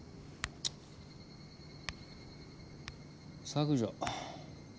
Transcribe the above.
削除。